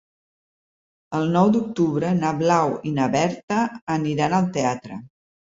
El nou d'octubre na Blau i na Berta aniran al teatre.